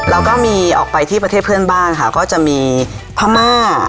แล้วก็มีออกไปที่ประเทศเพื่อนบ้านค่ะก็จะมีพม่า